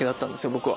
僕は。